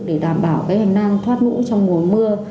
để đảm bảo cái hành năng thoát ngũ trong mùa mưa